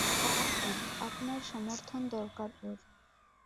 বাদ দেন, আপনার সমর্থন দরকার ওর।